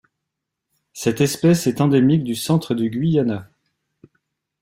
Cette espèce est endémique du centre du Guyana.